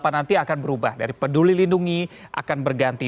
nanti akan berubah dari peduli lindungi akan berganti